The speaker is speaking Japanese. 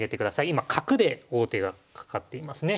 今角で王手がかかっていますね。